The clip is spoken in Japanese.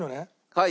はい。